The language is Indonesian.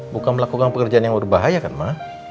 bukan melakukan pekerjaan yang berbahaya kan mah